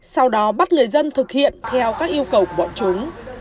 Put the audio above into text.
sau đó bắt người dân thực hiện theo các yêu cầu của bọn chúng